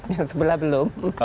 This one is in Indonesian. yang sebelah belum